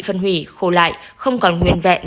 phân hủy khô lại không còn nguyện vẹn